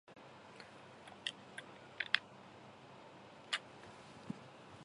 イタリア旅行で彼は、いくつか景勝の地として有名な都市、例えば、ナポリやフィレンツェを訪れた。